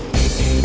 ya itu dia